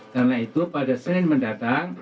karena itu pada senin mendatang